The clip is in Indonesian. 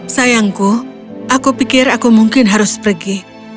sayangku aku pikir aku mungkin harus pergi